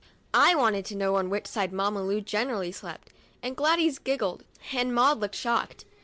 I wanted to know on which side Mamma Lu generally slept, and Gladys giggled and Maud looked shocked.